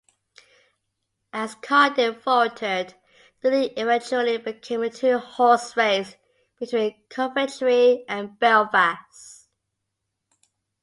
As Cardiff faltered, the league eventually became a two-horse race between Coventry and Belfast.